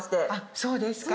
そうですか？